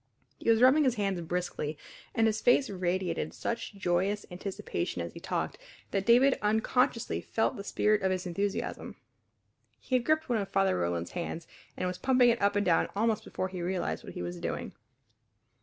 He was rubbing his hands briskly and his face radiated such joyous anticipation as he talked that David unconsciously felt the spirit of his enthusiasm. He had gripped one of Father Roland's hands and was pumping it up and down almost before he realized what he was doing.